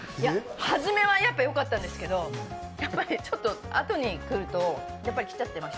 初めはよかったんですけど、やっぱり、あとにくるときちゃってます。